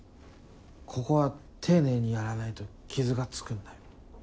ここは丁寧にやらないと傷が付くんだ。